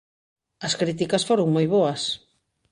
As críticas foron moi boas.